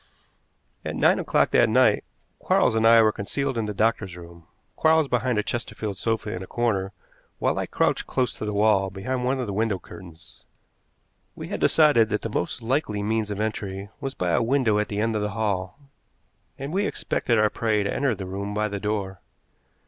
At nine o'clock that night Quarles and I were concealed in the doctor's room, Quarles behind a chesterfield sofa in a corner, while I crouched close to the wall behind one of the window curtains. We had decided that the most likely means of entry was by a window at the end of the hall, and we expected our prey to enter the room by the door.